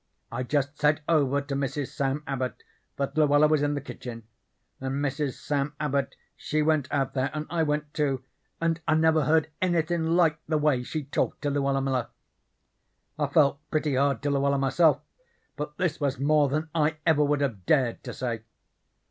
I just said over to Mrs. Sam Abbot that Luella was in the kitchen, and Mrs. Sam Abbot she went out there, and I went, too, and I never heard anythin' like the way she talked to Luella Miller. I felt pretty hard to Luella myself, but this was more than I ever would have dared to say.